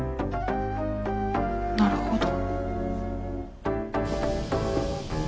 なるほど。